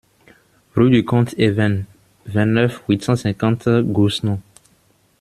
Rue du Comte Even, vingt-neuf, huit cent cinquante Gouesnou